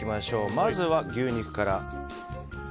まずは牛肉から。